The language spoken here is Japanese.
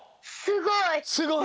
すごい！